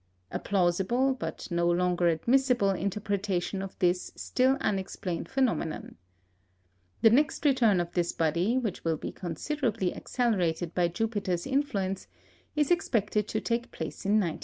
" A plausible, but no longer admissible, interpretation of this still unexplained phenomenon. The next return of this body, which will be considerably accelerated by Jupiter's influence, is expected to take place in 1910.